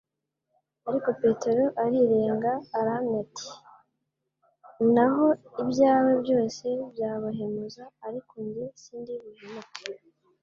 Ariko Petero arirenga arahamya ati : «Naho ibyawe bose byabahemuza, ariko njye sindi buhemuke.»